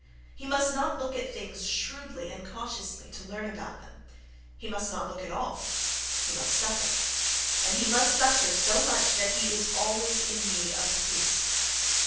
He must not look at things shrewdly and cautiously, to learn about them; he must not look at all; he must suffer.... And he must suffer so much that he is always in need of the priest.